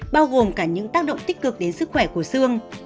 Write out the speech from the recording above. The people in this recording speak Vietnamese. bao gồm cả những tác động tích cực đến sức khỏe của xương